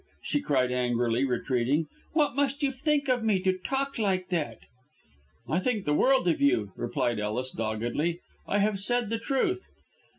she cried angrily, retreating. "What must you think of me to talk like that!" "I think the world of you," replied Ellis, doggedly. "I have said the truth."